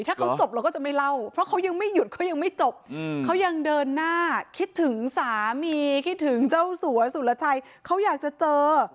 ถ้าเขาจบเราก็จะไม่เล่าเพราะเขายังไม่หยุดเขายังไม่จบเขายังเดินหน้าคิดถึงสามีคิดถึงเจ้าสัวสุรชัยเขาอยากจะเจอ